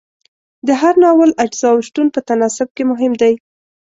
د هر ناول اجزاو شتون په تناسب کې مهم دی.